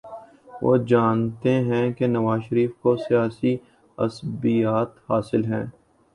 وہ جانتے ہیں کہ نواز شریف کو سیاسی عصبیت حاصل ہے۔